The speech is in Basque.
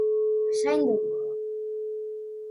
Zaindu!